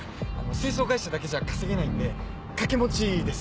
清掃会社だけじゃ稼げないんで掛け持ちです。